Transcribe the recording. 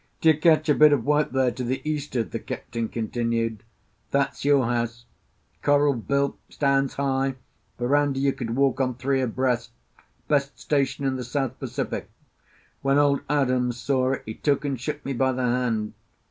"Do you catch a bit of white there to the east'ard?" the captain continued. "That's your house. Coral built, stands high, verandah you could walk on three abreast; best station in the South Pacific. When old Adams saw it, he took and shook me by the hand.